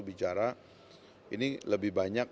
bicara ini lebih banyak